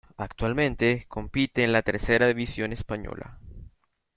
Actualmente compite en la Tercera división española.